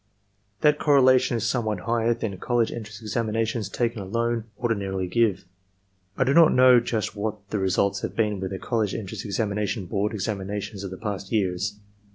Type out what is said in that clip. That correlation is somewhat higher than college entrance examinations taken alone ordinarily give. I do not know just what the results have been with the College Entrance Examination Board examinations of the past years.